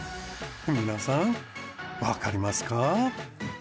皆さんわかりますか？